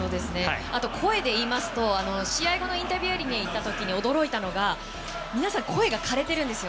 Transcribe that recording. あと声で言いますと試合後のインタビューエリアに行った時驚いたのが皆さん、声が枯れているんです。